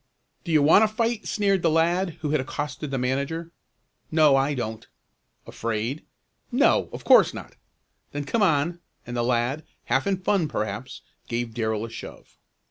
"Do you want to fight?" sneered the lad who had accosted the manager. "No, I don't." "Afraid?" "No, of course not." "Then come on," and the lad, half in fun perhaps, gave Darrell a shove.